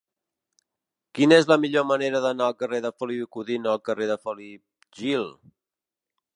Quina és la millor manera d'anar del carrer de Feliu i Codina al carrer de Felip Gil?